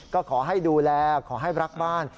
ก็ขอให้ดูแลขอให้รักบ้าน